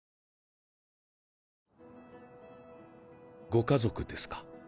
ご家族ですか？